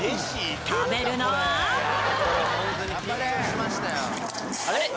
食べるのはあれ？